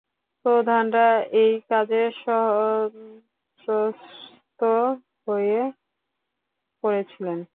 প্রধানরা এই কাজে সন্ত্রস্ত হয়ে পড়েছিলেন।